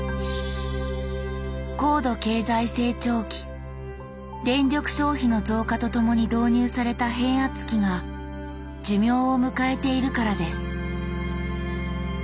高度経済成長期電力消費の増加と共に導入された変圧器が寿命を迎えているからです。